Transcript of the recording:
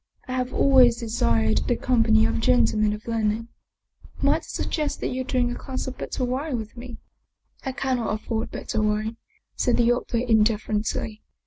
I have always desired the company of gentlemen of learning. Might I suggest that you drink a glass of better wine with me ?"" I cannot afford better wine," said the other indiffer ently.